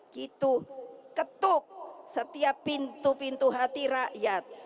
gitu ketuk setiap pintu pintu hati rakyat